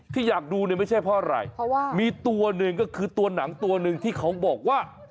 ที่อยากดูเนี่ยไม่ใช่เพราะอะไรเพราะว่ามีตัวหนึ่งก็คือตัวหนังตัวหนึ่งที่เขาบอกว่า